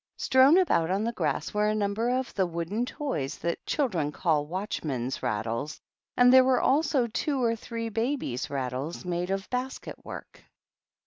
Strown about on the grass were a number of the wooden toys that children call watchmen'^ rattles, and there were also two or three babies rattles made of basket work.